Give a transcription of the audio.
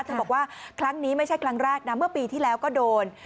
บอกว่าครั้งนี้ไม่ใช่ครั้งแรกนะเมื่อปีที่แล้วก็โดน